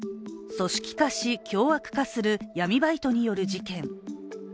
組織化し、凶悪化する闇バイトによる事件。